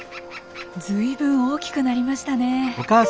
随分大きくなりましたね。